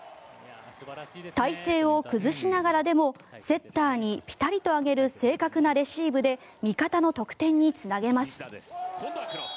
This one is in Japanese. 体勢を崩しながらでもセッターにピタリと上げる正確なレシーブで味方の得点につなげます。